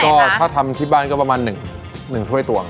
แค่ไหนค่ะถ้าทำที่บ้านก็ประมาณ๑ถ้วยตวง